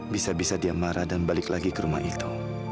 bisa bisa dia marah dan balik lagi ke rumah itu